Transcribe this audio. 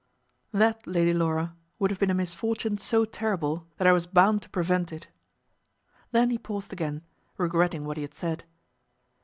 "That, Lady Laura, would have been a misfortune so terrible that I was bound to prevent it." Then he paused again, regretting what he had said.